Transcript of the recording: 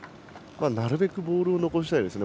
なるべくボールを残したいですね。